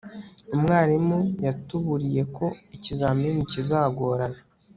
umwarimu yatuburiye ko ikizamini kizagorana